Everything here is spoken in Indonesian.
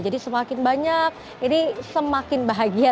jadi semakin banyak ini semakin bahagia